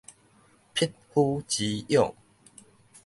匹夫之勇